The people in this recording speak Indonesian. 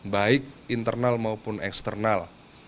baik internal maupun eksternal